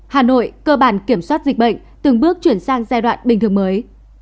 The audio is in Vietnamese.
hà nội cơ bản kiểm soát dịch bệnh từng bước chuyển sang giai đoạn bình thường mới